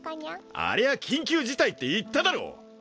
ありゃ緊急事態って言っただろ！